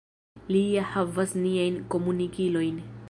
Ni ja havas niajn komunikilojn.